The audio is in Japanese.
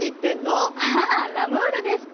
ああ「ラムール」ですか。